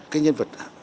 cái nhân vật